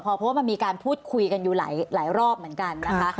เพราะว่ามันมีการพูดคุยกันอยู่หลายรอบเหมือนกันนะคะ